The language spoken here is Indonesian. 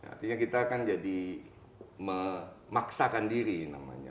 artinya kita kan jadi memaksakan diri namanya